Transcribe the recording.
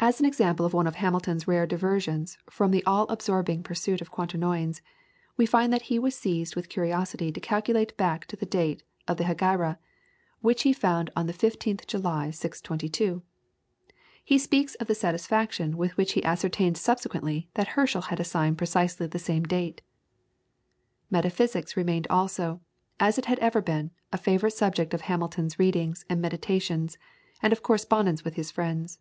As an example of one of Hamilton's rare diversions from the all absorbing pursuit of Quaternions, we find that he was seized with curiosity to calculate back to the date of the Hegira, which he found on the 15th July, 622. He speaks of the satisfaction with which he ascertained subsequently that Herschel had assigned precisely the same date. Metaphysics remained also, as it had ever been, a favourite subject of Hamilton's readings and meditations and of correspondence with his friends.